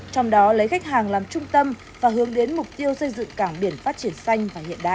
trong đó lấy khách hàng làm trung tâm và hướng đến mục tiêu xây dựng cảng biển phát triển xanh và hiện đại